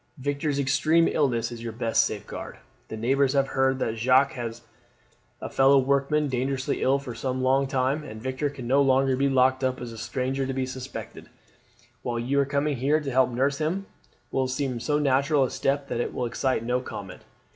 Victor's extreme illness is your best safeguard. The neighbours have heard that Jacques has had a fellow workman dangerously ill for some long time, and Victor can no longer be looked upon as a stranger to be suspected, while your coming here to help nurse him will seem so natural a step that it will excite no comment.